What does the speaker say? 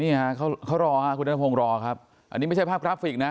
นี่ฮะเขารอฮะคุณนัทพงศ์รอครับอันนี้ไม่ใช่ภาพกราฟิกนะ